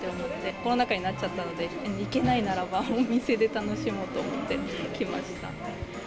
コロナ禍になっちゃったので、行けないならばお店で楽しもうと思って来ました。